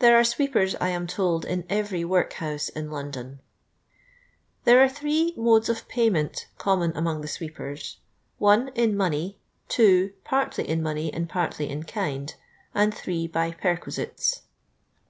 There are sweepers, I am told, in every workhouse in London. There are three mviUs of painfiient common among the swee|>ers :— 1, in money; 2, partly in money and partly in kind ; and 3, by perquisites.